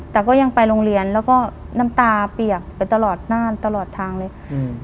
แต่ก็ยังไปโรงเรียนแล้วก็น้ำตาเปียกไปตลอดน่านตลอดทางเลยอืม